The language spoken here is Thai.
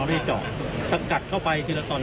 ไม่ใช่จอกสะกัดเข้าไปทีละต่อน